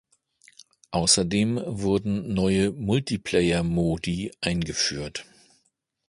Außerdem wurden neue Multiplayer Modi eingeführt.